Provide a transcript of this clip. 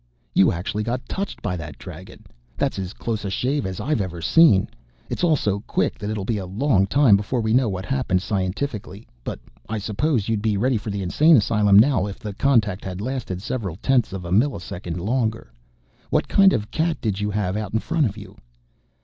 "You actually got touched by that Dragon. That's as close a shave as I've ever seen. It's all so quick that it'll be a long time before we know what happened scientifically, but I suppose you'd be ready for the insane asylum now if the contact had lasted several tenths of a millisecond longer. What kind of cat did you have out in front of you?"